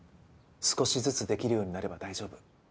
少しずつできるようになれば大丈夫。